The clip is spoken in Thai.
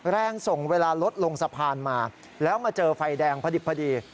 แรงส่งเวลารถลงสะพานมาแล้วมาเจอไฟแดงพอดิบพอดี